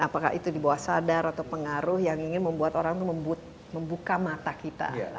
apakah itu di bawah sadar atau pengaruh yang ingin membuat orang itu membuka mata kita